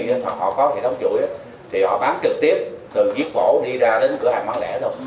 nên họ có hệ thống chuỗi thì họ bán trực tiếp từng chiếc vỗ đi ra đến cửa hàng bán lẻ thôi